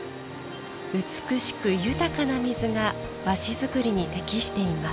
美しく豊かな水が和紙作りに適しています。